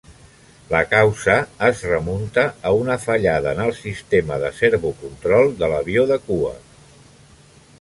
La causa es remunta a una fallada en el sistema de servo control de l'avió de cua.